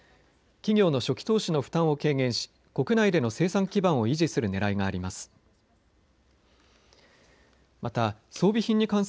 企業の初期投資の負担を軽減し国内での生産基盤を維持するねらいがあります。